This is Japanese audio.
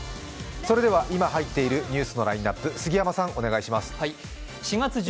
それでは今入っているニュースのラインナップ、杉山さん、お願いします。